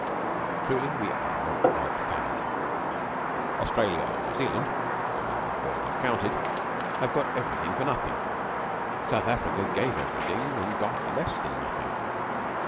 Truly we are an odd Family! Australia and New Zealand (the Maori War not counted) got everything for nothing. South Africa gave everything and got less than nothing.